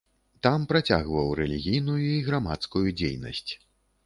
Там працягваў рэлігійную і грамадскую дзейнасць.